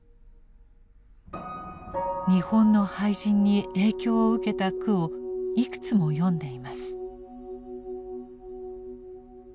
日本の俳人に影響を受けた句をいくつも詠んでいます。